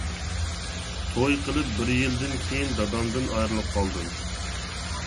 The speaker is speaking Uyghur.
توي قىلىپ بىر يىلدىن كېيىن دادامدىن ئايرىلىپ قالدىم.